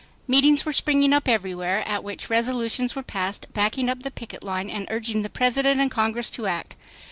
Meetings were springing up everywhere, at which resolutions were passed backing up the picket line and urging the President and Congress to act.